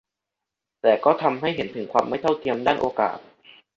แต่ก็ทำให้เห็นถึงความไม่เท่าเทียมด้านโอกาส